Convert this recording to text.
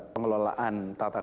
pengelolaan tata kepentingan